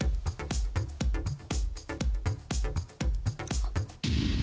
あっ。